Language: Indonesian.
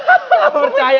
aku gak percaya